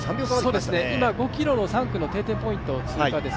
今５ｋｍの３区の定点ポイントを通過です。